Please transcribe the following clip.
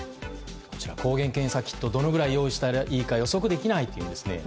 抗原検査キットをどのぐらい用意したらいいか予測できないというんですね。